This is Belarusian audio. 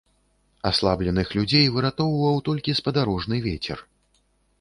Аслабленых людзей выратоўваў толькі спадарожны вецер.